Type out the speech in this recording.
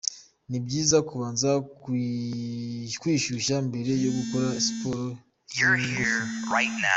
Ni byiza kubanza kwishyushya mbere yo gukora siporo z’ingufu.